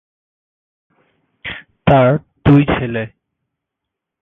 তার দুই ছেলে।